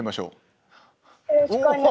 よろしくお願いします。